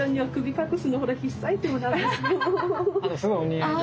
すごいお似合いで。